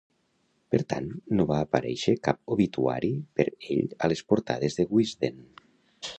Per tant, no va aparèixer cap obituari per ell a les portades de "Wisden".